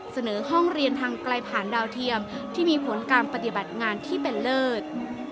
เสนอห้องเรียนทางไกลผ่านดาวเทียมที่มีผลการปฏิบัติงานที่เป็นเลิศ